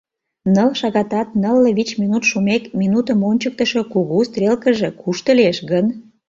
Ныл шагатат нылле вич минут шумек, минутым ончыктышо кугу стрелкыже кушто лиеш гын?